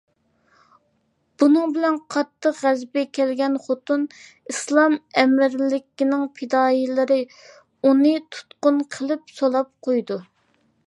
بۇنىڭ بىلەن قاتتىق غەزىپى كەلگەن خوتەن ئىسلام ئەمىرلىكىنىڭ پىدائىيلىرى ئۇنى تۇتقۇن قىلىپ، سولاپ قويىدۇ.